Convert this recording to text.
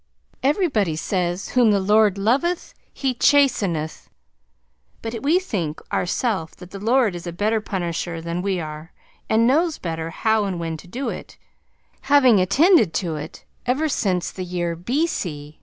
Everybody says Whom the Lord loveth he chasteneth; but we think ourself, that the Lord is a better punisher than we are, and knows better how and when to do it having attended to it ever since the year B.C.